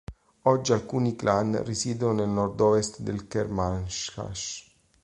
Oggi alcuni clan risiedono nel nord-ovest del Kermanshah.